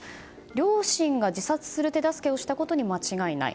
両親が自殺する手助けをしたことに間違いない。